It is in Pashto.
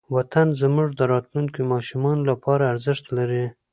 وطن زموږ د راتلونکې ماشومانو لپاره ارزښت لري.